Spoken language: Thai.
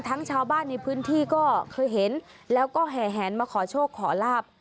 ชาวบ้านในพื้นที่ก็เคยเห็นแล้วก็แห่แหนมาขอโชคขอลาบ